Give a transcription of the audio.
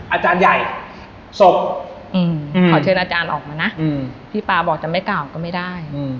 อาจารย์ใหญ่ศพขอเชิญอาจารย์ออกมานะพี่ป๊าบอกจะไม่กล่าวก็ไม่ได้